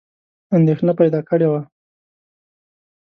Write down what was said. اندېښنه پیدا کړې وه.